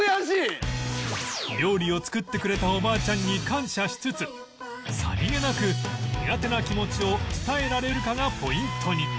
料理を作ってくれたおばあちゃんに感謝しつつさりげなく苦手な気持ちを伝えられるかがポイントに